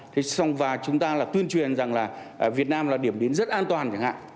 thế xong và chúng ta là tuyên truyền rằng là việt nam là điểm đến rất an toàn chẳng hạn